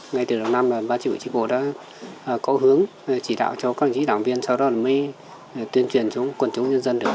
ngay từ đầu năm hai nghìn một mươi bảy tri bộ đã cố hướng chỉ đạo cho các đảng viên sau đó mới tuyên truyền xuống quần chúng dân dân được